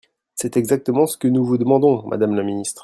C’est exactement ce que nous vous demandons, madame la ministre.